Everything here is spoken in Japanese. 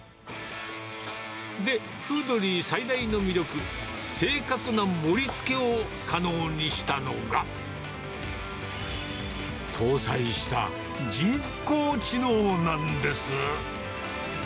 で、フードリー最大の魅力、正確な盛りつけを可能にしたのが、搭載した人工知能なんです。